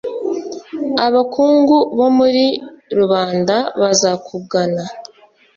abakungu bo muri rubanda bazakugana